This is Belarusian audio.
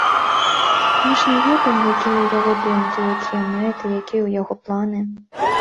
Мы ж не ведаем, якія ў яго думкі, якія мэты, якія ў яго планы.